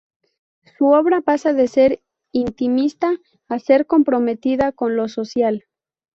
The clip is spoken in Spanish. Su obra pasa de ser intimista a ser comprometida con lo social.